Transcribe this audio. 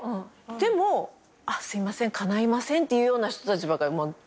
でもすいませんかないませんっていうような人たちばっかり。